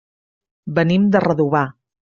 Venim de Redovà.